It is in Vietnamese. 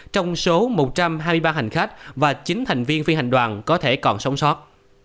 trong số một trăm hai mươi ba hành khách và chín thành viên phi hành đoàn có thể còn sống sót